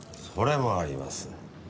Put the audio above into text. それもあります。